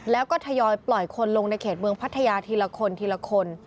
แล้วก็ทยอยปล่อยคนลงในเขตเมืองพัทยาทีละคนทีละคน